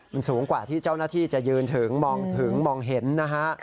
มันสูงกว่าที่เจ้าหน้าที่จะยืนถึงมองถึงมองเห็นนะฮะ